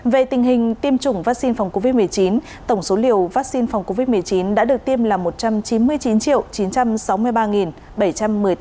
về tình hình tiêm chủng vắc xin phòng covid một mươi chín tổng số liều vắc xin phòng covid một mươi chín đã được tiêm là một trăm chín mươi chín triệu